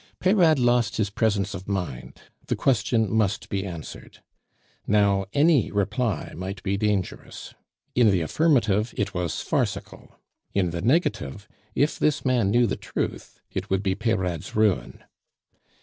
Peyrade lost his presence of mind. The question must be answered. Now any reply might be dangerous. In the affirmative it was farcical; in the negative, if this man knew the truth, it would be Peyrade's ruin.